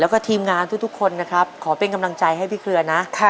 แล้วก็ทีมงานทุกคนนะครับขอเป็นกำลังใจให้พี่เครือนะ